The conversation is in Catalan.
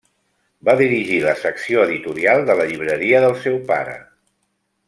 Va dirigir la secció editorial de la llibreria del seu pare.